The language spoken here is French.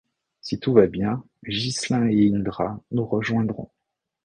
Si tout va bien, Ghislain et Indra nous rejoindront.